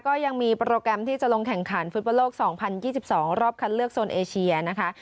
ก็ยังมีโปรแกรมที่จะลงแข่งขันฟุตบอลโลก๒๐๒๒รอบคัดเลือกโซนเอเชียนะคะ